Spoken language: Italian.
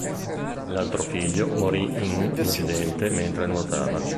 L'altro figlio morì in un incidente mentre nuotava.